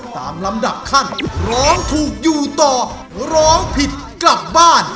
ตามลำดับขั้นร้องถูกอยู่ต่อร้องผิดกลับบ้าน